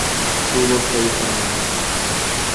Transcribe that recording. Tuvo seis hermanas.